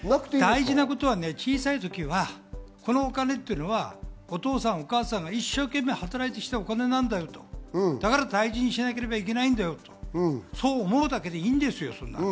大事なことは小さい時はこのお金っていうのは、お父さんお母さんが一生懸命働いてきたお金なんだよ、だから大事にしなきゃいけないんだよ、そう思うだけでいいんですよ。